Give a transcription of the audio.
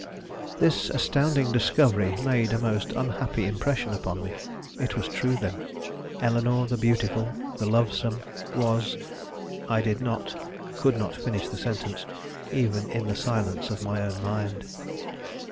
This astounding discovery made a most unhappy impression upon me. It was true, then. Eleanore the beautiful, the lovesome, was I did not, could not finish the sentence, even in the silence of my own mind.